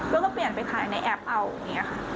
แล้วก็เปลี่ยนไปถ่ายในแอปเอาอย่างนี้ค่ะ